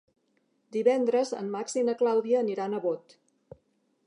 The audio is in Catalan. Divendres en Max i na Clàudia aniran a Bot.